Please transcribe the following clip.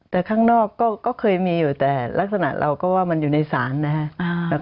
แต่ข้างนอกก็เคยมีอยู่แต่ลักษณะเราก็ว่ามันอยู่ในศาลนะครับ